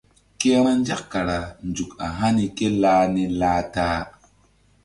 Ke vbanzak kara nzuk a hani ké lah ni lah ta-a.